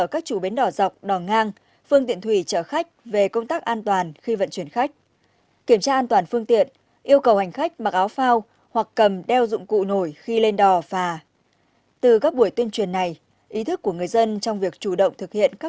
rất nhiều hành khách tham gia mặc áo phao cầm dụng cụ nổi và để những phương tiện